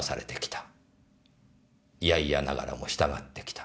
いやいやながらも従ってきた。